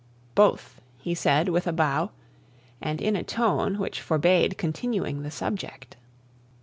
"Both," he said, with a bow, and in a tone which forbade continuing the subject.